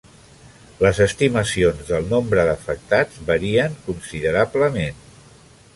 Les estimacions del nombre d'afectats varien considerablement.